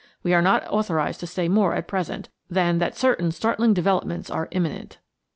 We are not authorised to say more at present than that certain startling developments are imminent."